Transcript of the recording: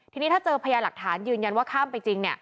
ทีนี้ถ้าเจอพยาหลักฐานยืนยันว่าข้ามไปจริง